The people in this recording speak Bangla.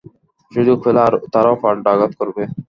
সুযোগ পেলে তারাও পাল্টা আঘাত করবে।